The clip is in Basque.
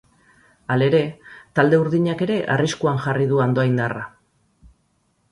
Halere, talde urdinak ere arriskuan jarri du andoaindarra.